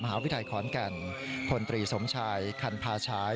หาวิทยาลขอนแก่นพลตรีสมชายคันพาชาย